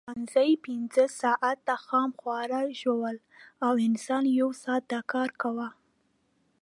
شامپانزي پینځه ساعته خام خواړه ژوول او انسان یو ساعت دا کار کاوه.